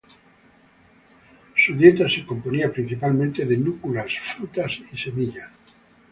Su dieta se componía principalmente de núculas, frutas, y semillas.